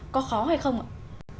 có khó hay không ạ